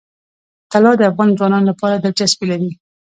طلا د افغان ځوانانو لپاره دلچسپي لري.